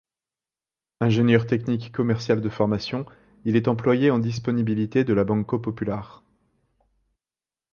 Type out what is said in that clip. Ingénieur technique commercial de formation, il est employé en disponibilité de la Banco Popular.